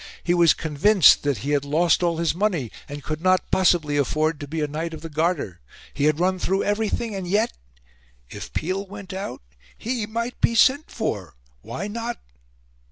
He was convinced that he had lost all his money, and could not possibly afford to be a Knight of the Garter. He had run through everything, and yet if Peel went out, he might be sent for why not?